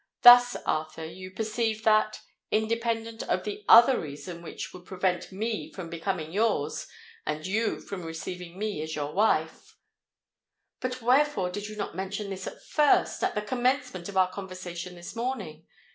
Thus, Arthur, you perceive that—independent of the other reason which would prevent me from becoming yours, and you from receiving me as your wife——" "But wherefore did you not mention this at first—at the commencement of our conversation this morning?"